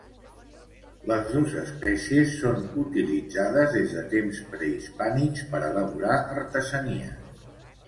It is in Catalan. Les dos espècies són utilitzades des de temps prehispànics per elaborar artesanies.